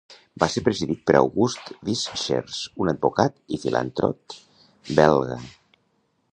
Va ser presidit per Auguste Visschers, un advocat i filantrot belga.